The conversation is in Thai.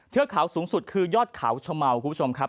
เทือกเขาสูงสุดคือยอดเขาชะเมาคุณผู้ชมครับ